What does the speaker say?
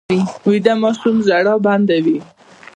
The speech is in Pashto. ویده ماشوم ژړا بنده وي